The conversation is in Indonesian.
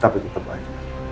tapi itu terbaik